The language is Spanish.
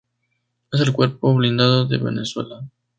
Es el cuerpo blindado de Venezuela.